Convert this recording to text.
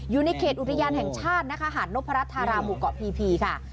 อยู่ในเขตอุตยานแห่งชาตินะคะหาดโนภารัฐารามุกเกาะพีค่ะ